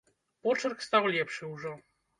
Почырк стаў лепшы ўжо.